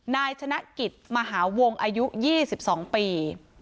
นายชนะกิจมหาวงอายุ๒๒ปี